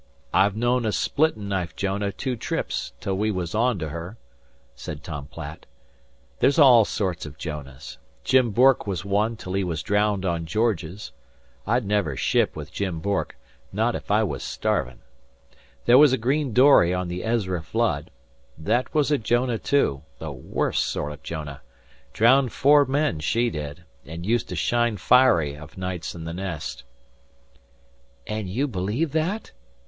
I've known a splittin' knife Jonah two trips till we was on to her," said Tom Platt. "There's all sorts o' Jonahs. Jim Bourke was one till he was drowned on Georges. I'd never ship with Jim Bourke, not if I was starvin'. There wuz a green dory on the Ezra Flood. Thet was a Jonah, too, the worst sort o' Jonah. Drowned four men, she did, an' used to shine fiery O, nights in the nest." "And you believe that?"